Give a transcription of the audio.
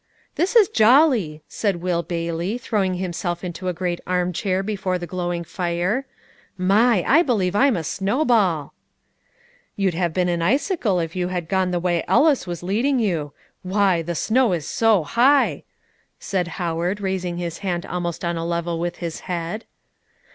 "This is jolly," said Will Bailey, throwing himself into a great arm chair before the glowing fire. "My! I believe I'm a snowball." "You'd have been an icicle if you had gone the way Ellis was leading you; why, the snow is so high," said Howard, raising his hand almost on a level with his head.